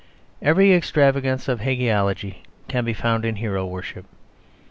Every extravagance of hagiology can be found in hero worship.